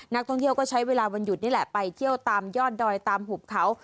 นักท่องเที่ยวก็ใช้เวลาวันหยุดนี่แหละไปเที่ยวตามยอดดอยตามหุบเขา